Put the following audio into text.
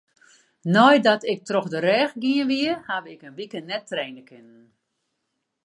Nei't ik troch de rêch gien wie, haw ik in wike net traine kinnen.